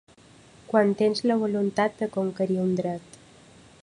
Quan tens la voluntat de conquerir un dret.